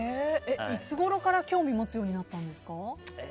いつごろから興味を持つようになったんですか。